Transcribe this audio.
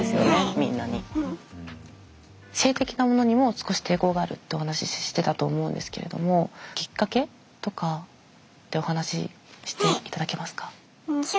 性的なものにも少し抵抗があるってお話ししてたと思うんですけれどもきっかけとかってお話ししていただけますか。